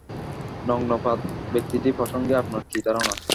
নগ্নগাত্র ব্যক্তিটি প্রসঙ্গে আপনার কী ধারণা?